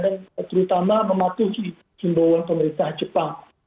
dan terutama mematuhi himbauan pemerintah jepang